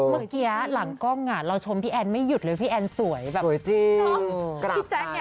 เหมือนเทียหลังกล้องอ่ะเราชมพี่แอนไม่หยุดเลยว่าพี่แอนสวยแบบสวยจริงพี่แจ๊คเนี่ย